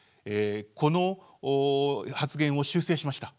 この発言を修正しました。